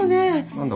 何だ？